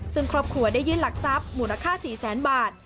ซึ่งครอบครัวได้ยื่นหลักทรัพย์มูลค่า๔แสนบาท